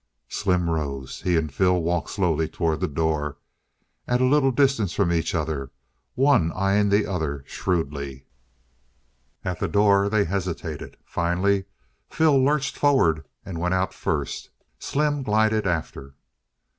Slim rose. He and Phil walked slowly toward the door, at a little distance from each other, one eyeing the other shrewdly. At the door they hesitated. Finally, Phil lurched forward and went out first. Slim glided after.